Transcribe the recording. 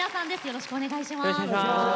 よろしくお願いします。